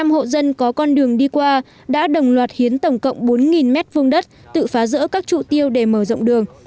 năm hộ dân có con đường đi qua đã đồng loạt hiến tổng cộng bốn m hai tự phá rỡ các trụ tiêu để mở rộng đường